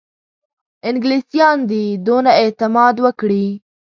انګلیسیان دي دونه اعتماد وکړي.